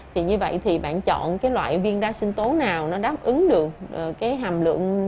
thì như vậy bạn chọn loại viên đa sinh tố nào đáp ứng được hàm lượng